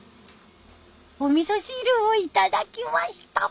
おみそ汁を頂きました。